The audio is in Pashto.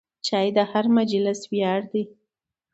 چای د هر مجلس ویاړ دی.